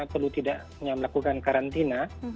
perlu tidak melakukan karantina